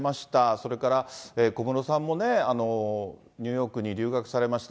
それから小室さんもね、ニューヨークに留学されました、